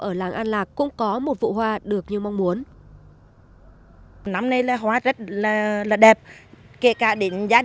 ở làng an lạc cũng có một vụ hoa được như mong muốn